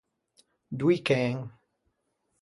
Doî chen.